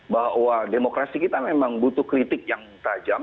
bahwa demokrasi kita memang butuh kritik yang tajam